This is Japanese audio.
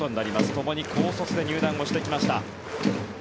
ともに高卒で入団してきました。